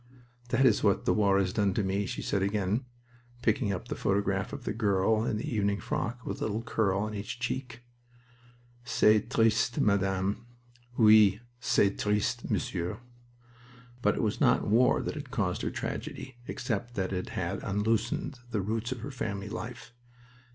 "That is what the war has done to me," she said again, picking up the photograph of the girl in the evening frock with a little curl on each cheek. "C'est triste, Madame!" "Oui, c'est triste, Monsieur!" But it was not war that had caused her tragedy, except that it had unloosened the roots of her family life.